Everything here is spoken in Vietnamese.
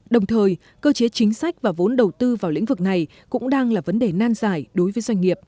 đồng thời cơ chế chính sách và vốn đầu tư vào lĩnh vực này cũng đang là vấn đề nan giải đối với doanh nghiệp